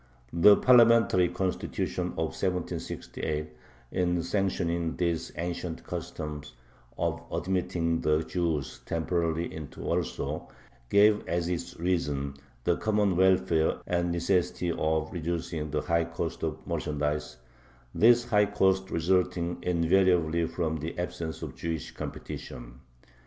The parliamentary Constitution of 1768, in sanctioning this "ancient custom" of admitting the Jews temporarily into Warsaw, gave as its reason "the common welfare and the necessity of reducing the high cost of merchandise," this high cost resulting invariably from the absence of Jewish competition.